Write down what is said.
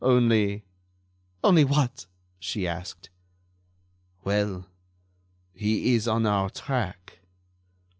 Only...." "Only what?" she asked. "Well, he is on our track."